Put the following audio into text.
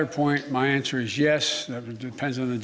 pertanyaan saya adalah ya tergantung pada g dua puluh